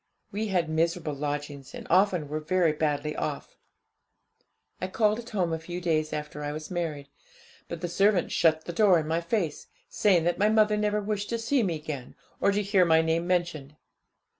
We had miserable lodgings, and often were very badly off. I called at home a few days after I was married; but the servant shut the door in my face, saying that my mother never wished to see me again, or to hear my name mentioned.